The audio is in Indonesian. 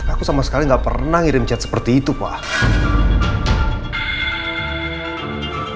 aku sama sekali gak pernah ngirim chat seperti itu pak